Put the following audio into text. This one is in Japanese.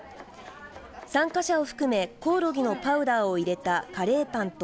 参加者を含め、コオロギのパウダーを入れたカレーパンと